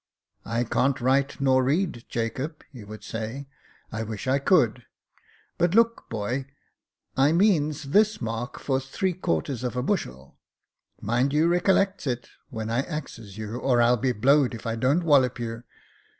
" I can't write nor read, Jacob," he would say ;" I wish I could ; but look, boy, I means this mark for three quarters of a bushel. Mind you recollects it when I axes you, or I'll be bio wed if I don't wallop you."